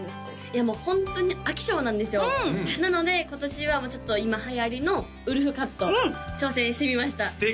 いやもうホントに飽き性なんですよなので今年は今はやりのウルフカット挑戦してみました素敵！